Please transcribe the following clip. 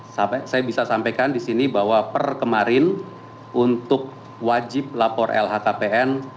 saya bisa sampaikan di sini bahwa per kemarin untuk wajib lapor lhkpn